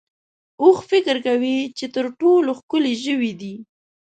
اوښ فکر کوي چې تر ټولو ښکلی ژوی دی.